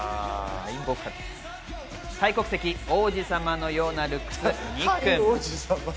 タイ国籍、王子様のようなルックス、ニックン。